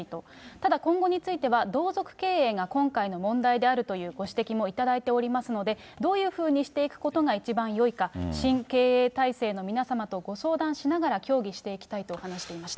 ただ、今後については、同族経営が今回の問題であるというご指摘もいただいておりますので、どういうふうにしていくことが一番よいか、新経営体制の皆様とご相談しながら、協議していきたいと話していました。